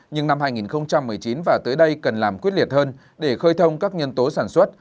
nhưng năm hai nghìn một mươi chín và tới đây cần làm quyết liệt hơn để khơi thông các nhân tố sản xuất